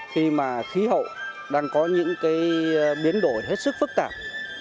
khi mà khí hậu đang có những cái biến đổi hết sức phức tạp